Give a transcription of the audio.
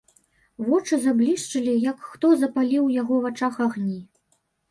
Вочы заблішчэлі, як хто запаліў у яго вачах агні.